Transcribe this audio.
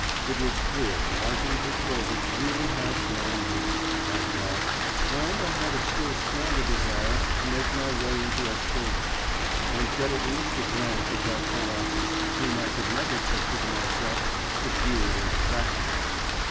It was clear Martin Petrovitch really had grown 'meek,' I thought, and I had a still stronger desire to make my way into Eskovo, and get at least a glance at that colossus, whom I could never picture to myself subdued and tractable.